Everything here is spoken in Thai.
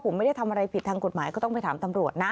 ผมไม่ได้ทำอะไรผิดทางกฎหมายก็ต้องไปถามตำรวจนะ